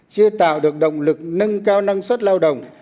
chưa tạo được động lực nâng cao năng suất lao động